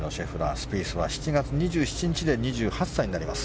スピースは７月２７日で２８歳になります。